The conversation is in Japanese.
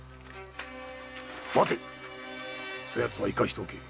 待てそやつは生かしておけ。